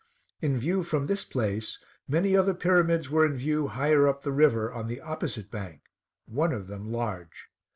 In view from this place, many other pyramids were in view higher up the river, on the opposite bank, one of them large.